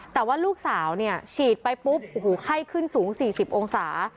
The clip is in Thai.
แต่ว่าลูกสาวฉีดไปปุ๊บไข้ขึ้นสูง๔๐องศา